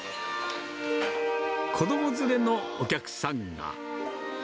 子ども連れのお客さんが。